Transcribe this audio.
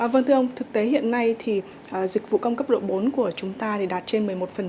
vâng thưa ông thực tế hiện nay thì dịch vụ công cấp độ bốn của chúng ta đạt trên một mươi một